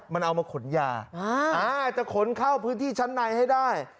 มันเอามาขนยาจะขนเข้าพื้นที่ชั้นในให้ได้